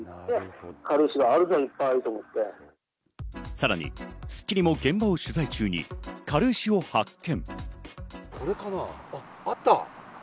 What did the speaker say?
さらに『スッキリ』も現場を取材中に軽石を発見。